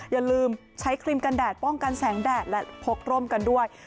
อย่าลืมใช้ครีมกันแดดป้องกันแสงแดดและพกร่มกันด้วย